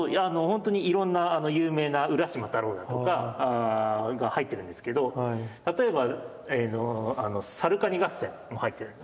ほんとにいろんな有名な浦島太郎だとかが入ってるんですけど例えば「さるかに合戦」も入ってる。